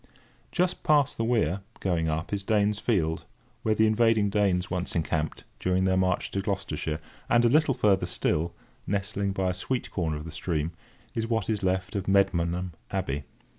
Just past the weir (going up) is Danes' Field, where the invading Danes once encamped, during their march to Gloucestershire; and a little further still, nestling by a sweet corner of the stream, is what is left of Medmenham Abbey.